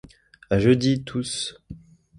À jeudi, tous!